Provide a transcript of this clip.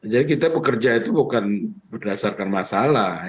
jadi kita bekerja itu bukan berdasarkan masalah